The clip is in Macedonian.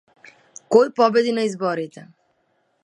Кој победи на изборите?